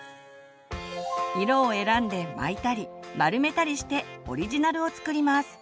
色を選んで巻いたり丸めたりしてオリジナルを作ります。